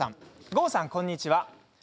郷さん、こんにちは。